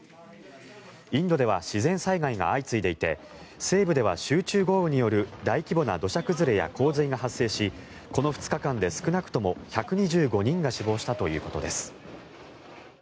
インドでは自然災害が相次いでいて西部では集中豪雨による大規模な土砂崩れや洪水が発生しこの２日間で少なくとも１２５人が死亡したということです。